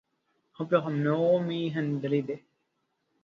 خپلو همنوعو ته مې خندلي دي